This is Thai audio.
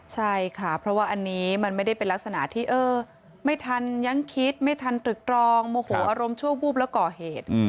ใช่ค่ะเพราะว่าอันนี้มันไม่ได้เป็นลักษณะที่เออไม่ทันยังคิดไม่ทันตรึกตรองโมโหอารมณ์ชั่ววูบแล้วก่อเหตุ